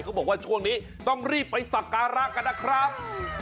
เขาบอกว่าช่วงนี้ต้องรีบไปสักการะกันนะครับ